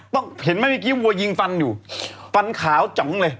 เห็นไหมเมื่อกี้วัวยิงฟันอยู่ฟันขาวจ๋องเลย